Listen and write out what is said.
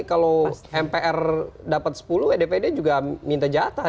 kalau mpr dapat sepuluh ya dpd juga minta jatah